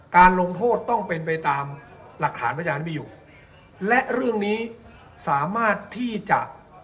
การลงโทษต้องเป็นไปตามหลักฐานพยานมีอยู่และเรื่องนี้สามารถที่จะ